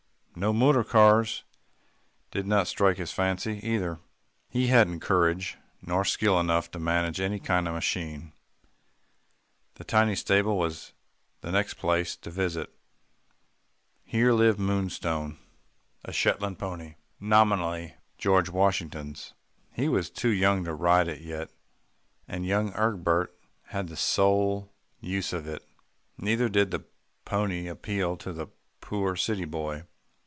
No, motor cars did not strike his fancy, either. He hadn't courage, nor skill enough to manage any kind of a machine. The tiny stable was the next place to visit. Here lived Moonstone, a Shetland pony, nominally George Washington's, but he was too young to ride it yet, and young Egbert had the sole use of it. Neither did the pony appeal to the poor city boy.